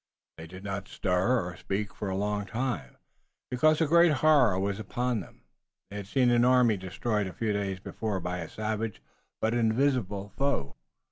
They did not stir or speak for a long time, because a great horror was upon them. They had seen an army destroyed a few days before by a savage but invisible foe.